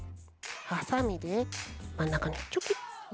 はさみでまんなかにチョキ。